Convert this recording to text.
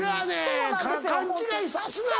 勘違いさすな！